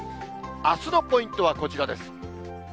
あすのポイントはこちらです。